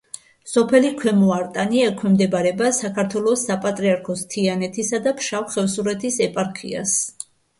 სოფელი ქვემო არტანი ექვემდებარება საქართველოს საპატრიარქოს თიანეთისა და ფშავ-ხევსურეთის ეპარქიას.